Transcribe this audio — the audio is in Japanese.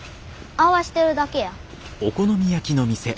合わしてるだけや。